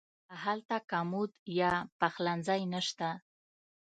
هلته کمود یا پخلنځی نه شته.